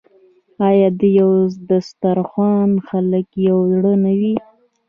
آیا د یو دسترخان خلک یو زړه نه وي؟